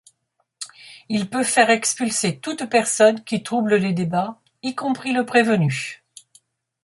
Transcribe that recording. Il peut faire expulser toute personne qui trouble les débats, y compris le prévenu.